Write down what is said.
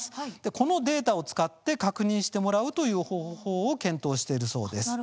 このデータを使って確認してもらう方法を検討しているそうです。